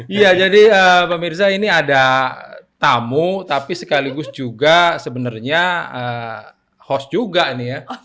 iya jadi pak mirza ini ada tamu tapi sekaligus juga sebenarnya host juga ini ya